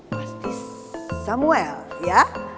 pasti samuel ya